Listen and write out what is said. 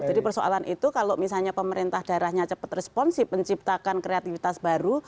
jadi persoalan itu kalau misalnya pemerintah daerahnya cepat responsif menciptakan kreativitas baru